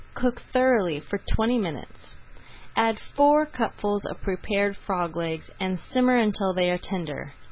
Cook thoroughly for twenty minutes. Add four cupfuls of prepared frog legs, and simmer until they are tender.